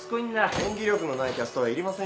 演技力のないキャストはいりませんよ。